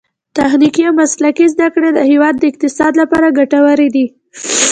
تخنیکي او مسلکي زده کړې د هیواد د اقتصاد لپاره ګټورې دي.